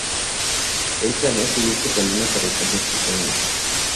El planea seguir su camino para alcanzar sus sueños.